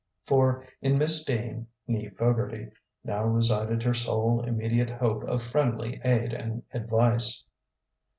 For in Miss Dean, née Fogarty, now resided her sole immediate hope of friendly aid and advice....